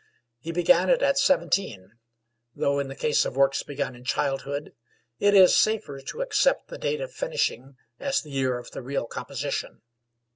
He began it at seventeen; though in the case of works begun in childhood, it is safer to accept the date of finishing as the year of the real composition.